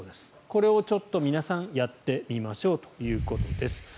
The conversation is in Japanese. これをちょっと皆さんやってみましょうということです。